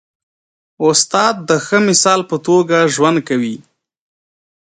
استاد د ښه مثال په توګه ژوند کوي.